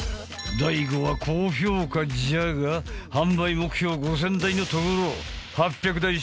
大悟は高評価じゃが販売目標５０００台のところ８００台しか売れず。